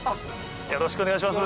よろしくお願いします。